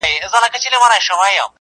• نازولې د بادار یم معتبره -